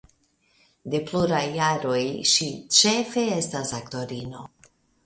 De pluraj jaroj ŝi ĉefe estas aktorino.